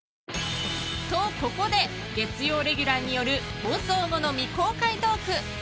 と、ここで月曜レギュラーによる放送後の未公開トーク。